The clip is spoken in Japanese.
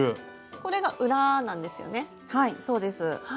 これが裏なんですよね？